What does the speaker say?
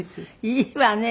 いいわね。